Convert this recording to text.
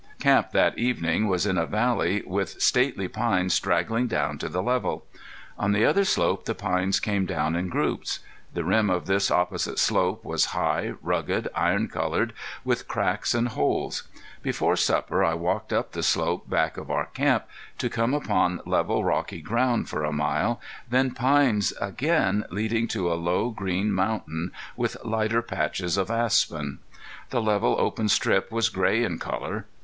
Camp that evening was in a valley with stately pines straggling down to the level. On the other slope the pines came down in groups. The rim of this opposite slope was high, rugged, iron colored, with cracks and holes. Before supper I walked up the slope back of our camp, to come upon level, rocky ground for a mile, then pines again leading to a low, green mountain with lighter patches of aspen. The level, open strip was gray in color.